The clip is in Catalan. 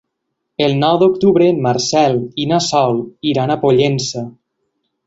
El nou d'octubre en Marcel i na Sol iran a Pollença.